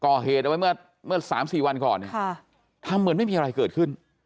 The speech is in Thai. ก่อเหตุเอาไว้เมื่อเมื่อสามสี่วันก่อนค่ะทำเหมือนไม่มีอะไรเกิดขึ้น